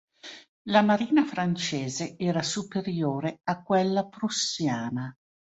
La marina francese era superiore a quella prussiana.